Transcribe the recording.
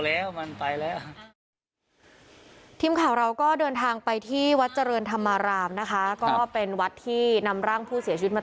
แล้วตอนแรกก็ได้ยินเสียงแล้วคิดว่าใช่เด็กกลุ่มเด็กที่มาเบิ้ลรถไหม